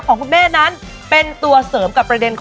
โฮราแซบแซบแซบ